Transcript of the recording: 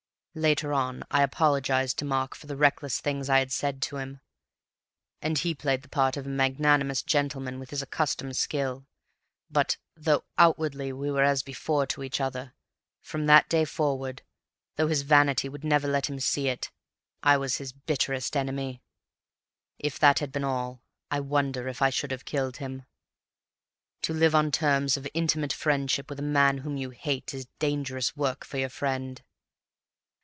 "Later on I apologized to Mark for the reckless things I had said to him, and he played the part of a magnanimous gentleman with his accustomed skill, but, though outwardly we were as before to each other, from that day forward, though his vanity would never let him see it, I was his bitterest enemy. If that had been all, I wonder if I should have killed him? To live on terms of intimate friendship with a man whom you hate is dangerous work for your friend.